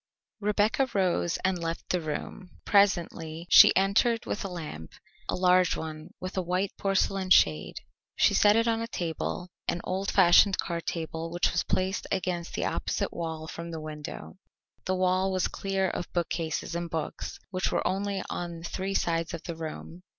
Rebecca rose and left the room. Presently she entered with a lamp a large one with a white porcelain shade. She set it on a table, an old fashioned card table which was placed against the opposite wall from the window. That wall was clear of bookcases and books, which were only on three sides of the room.